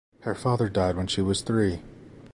Her father died when she was three.